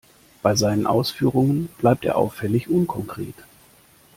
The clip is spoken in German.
Bei seinen Ausführungen bleibt er auffällig unkonkret.